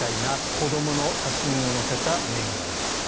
子どもの写真を載せた年賀状と。